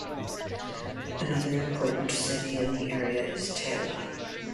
Another important city in the area is Tela.